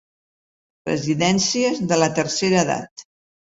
Residències de la tercera edat.